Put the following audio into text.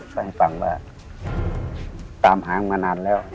ก็ให้ฟังว่าตามหาผมมานานแล้ว